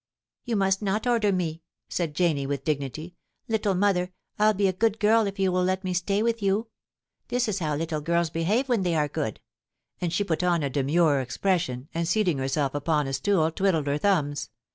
' You must not order me,' said Janie, with dignity. * Little mother, I'll be a good girl if you will let me stay with you. This is how little girls behave when they are good ;' and she put on a demure expression, and seating herself upon a stool, twiddled her thumbs.